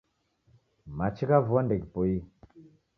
Machi gha vua ndeghipoie